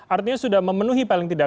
artinya sudah memenuhi paling tidak